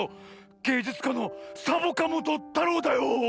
げいじゅつかのサボカもとたろうだよ。